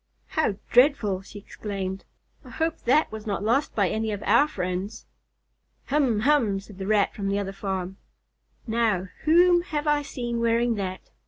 "How dreadful!" she exclaimed. "I hope that was not lost by any of our friends." "Hum hum!" said the Rat from the other farm. "Now, whom have I seen wearing that?